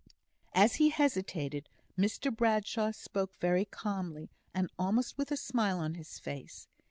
As he hesitated, Mr Bradshaw spoke, very calmly, and almost with a smile on his face.